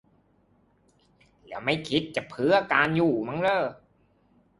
แล้วไม่คิดจะเพื่อ 'การอยู่' มั่งเหรอ ?